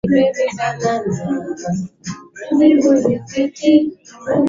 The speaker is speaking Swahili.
Jacob aliendelea kukagua maeneo mbali mbali ya ile nyumba mwisho akaingia chumbani kwa Magreth